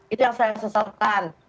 itu yang saya seselkan